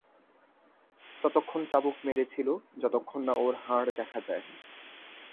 ততক্ষণ চাবুক মেরেছিল যতক্ষণ না ওর হাড় দেখা যায়।